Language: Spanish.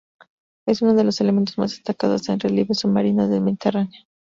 Es una de los elementos más destacados del relieve submarino del Mediterráneo.